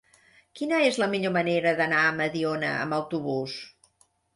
Quina és la millor manera d'anar a Mediona amb autobús?